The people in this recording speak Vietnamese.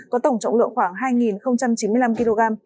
có tổng trọng lượng khoảng hai chín mươi năm kg